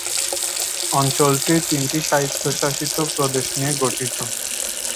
অঞ্চলটি তিনটি স্বায়ত্বশাসিত প্রদেশ নিয়ে গঠিত।